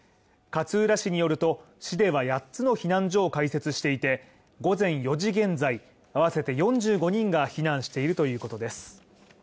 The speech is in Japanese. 勝浦市によると、市では八つの避難所を開設していて、午前４時現在、合わせて４５人が避難しているということです。